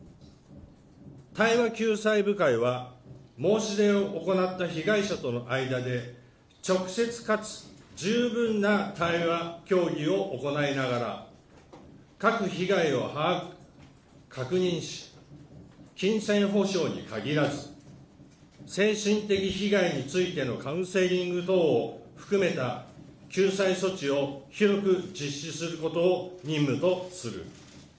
対話救済部会は申し出を行った被害者との間で、直接かつ十分な対話、協議を行いながら、各被害を把握、確認し、金銭保障に限らず、精神的被害についてのカウンセリング等を含めた救済措置を広く実施することを任務とする。